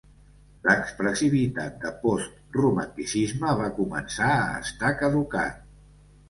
L'expressivitat de post-Romanticisme va començar a estar caducat.